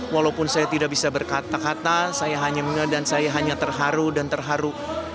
walaupun saya tidak bisa berkata kata saya hanya mengenal dan saya hanya terharu dan terharu